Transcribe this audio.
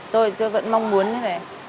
tôi vẫn mong muốn thế này